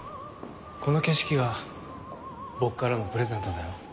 この景色が僕からのプレゼントだよ。